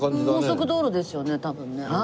高速道路ですよね多分ね。